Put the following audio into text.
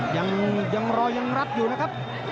ยังรอยังรับอยู่นะครับ